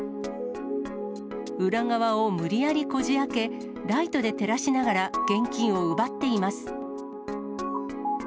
裏側を無理やりこじあけ、ライトで照らしながら現金を奪っています。